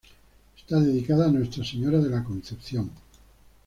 Está dedicada a Nuestra Señora de la Concepción.